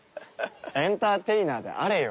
エンターテイナーであれよ。